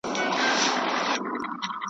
د شهید جنازه پرېږدی د قاتل سیوری رانیسی .